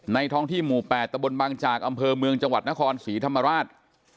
ท้องที่หมู่๘ตะบนบางจากอำเภอเมืองจังหวัดนครศรีธรรมราช